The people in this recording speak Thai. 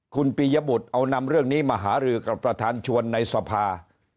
คุณปียบุตรเอานำเรื่องนี้มาหารือกับประธานชวนในสภา